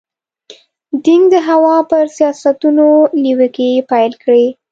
دینګ د هوا پر سیاستونو نیوکې پیل کړې.